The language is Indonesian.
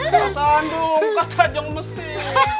mas andung kata jeng mesin